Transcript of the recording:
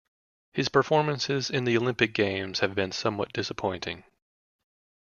His performances in the Olympic Games have been somewhat disappointing.